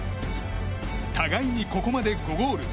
互いに、ここまで５ゴール。